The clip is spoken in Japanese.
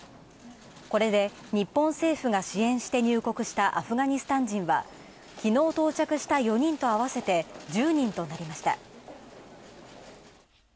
これで日本政府が支援して入国したアフガニスタン人は、きのう到着した４人をあわせて１０人となりました。